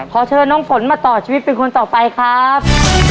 ขอเชิญน้องฝนมาต่อชีวิตเป็นคนต่อไปครับ